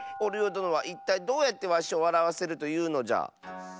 どのはいったいどうやってわしをわらわせるというのじゃ？